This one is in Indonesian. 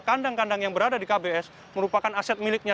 kandang kandang yang berada di kbs merupakan aset miliknya